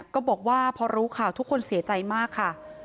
ก็บอกว่าพอรู้ข่าวทุกคนเสียใจมากค่ะ